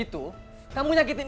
ibu kaki palsu